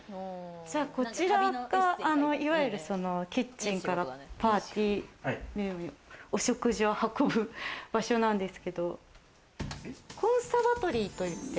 こちらが、いわゆる、そのキッチンからパーティールームへ、お食事を運ぶ場所なんですけど、コンサバトリーといって。